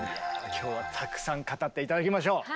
今日はたくさん語って頂きましょう！